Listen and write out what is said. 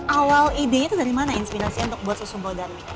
awal idenya itu dari mana inspirasinya untuk buat susu bodang